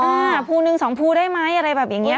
ผมจะคาวฟูหนึ่งซองฟูได้ไหมอะไรแบบอย่างนี้ค่ะ